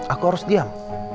aku harus diam